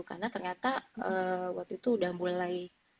karena ternyata waktu itu udah mulai